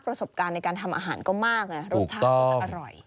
ประสบการณ์ในการทำอาหารก็มากไงรสชาติก็จะอร่อย